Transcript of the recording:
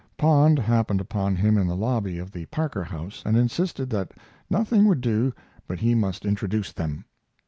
Pond happened upon him in the lobby of the Parker House and insisted that nothing would do but he must introduce them.